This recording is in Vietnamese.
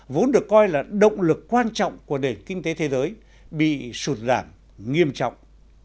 vốn được coi là động lực quan trọng của nền kinh tế thế giới bị sụt giảm nghiêm trọng